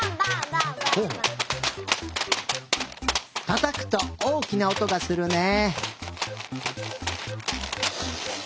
たたくとおおきなおとがするね。